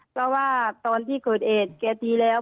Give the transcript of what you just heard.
เพราะว่าตอนที่เกิดเหตุแกตีแล้ว